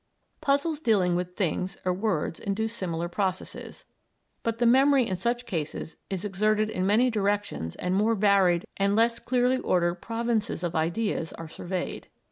Puzzles dealing with things or words induce similar processes, but the memory in such cases is exerted in many directions and more varied and less clearly ordered provinces of ideas are surveyed.